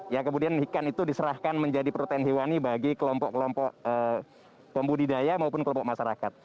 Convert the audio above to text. ya kemudian ikan itu diserahkan menjadi protein hewani bagi kelompok kelompok pembudidaya maupun kelompok masyarakat